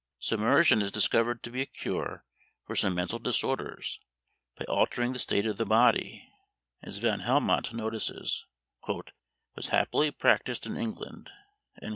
Submersion is discovered to be a cure for some mental disorders, by altering the state of the body, as Van Helmont notices, "was happily practised in England."